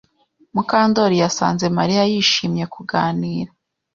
Mukandori yasanze Mariya yishimye kuganira.